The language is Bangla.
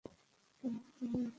সম্ভব হলে আসব।